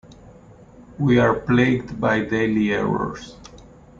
We are plagued by daily errors.